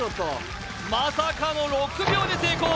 まさかの６秒で成功